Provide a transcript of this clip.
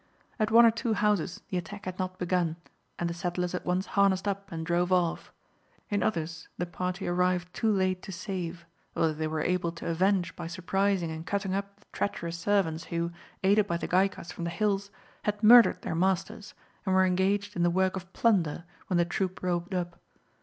At one or two houses the attack had not begun, and the settlers at once harnessed up and drove off. In others the party arrived too late to save, although they were able to avenge by surprising and cutting up the treacherous servants who, aided by the Gaikas from the hills, had murdered their masters, and were engaged in the work of plunder when the troop rode up.